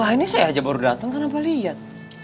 wah ini saya aja baru datang kenapa lihat